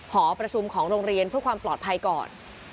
หอประชุมของโรงเรียนเพื่อความปลอดภัยก่อน